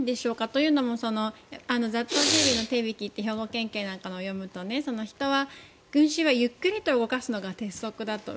というのも雑踏警備の手引きという兵庫県警なんかのを読むと群衆をゆっくり動かすのが鉄則だと。